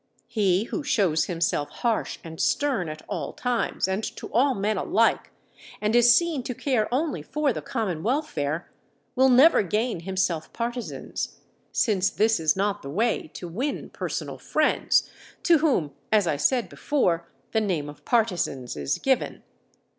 He who shows himself harsh and stern at all times and to all men alike, and is seen to care only for the common welfare, will never gain himself partisans, since this is not the way to win personal friends, to whom, as I said before, the name of partisans is given.